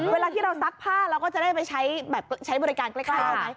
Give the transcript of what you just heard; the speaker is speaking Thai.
เวลาที่เราซักผ้าเราก็จะได้ไปใช้บริการใกล้ได้ไหม